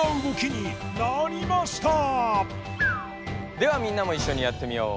ではみんなもいっしょにやってみよう！